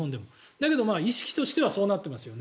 だけど、意識としてはそうなってますよね。